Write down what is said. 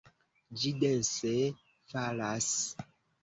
Ĝi dense falas!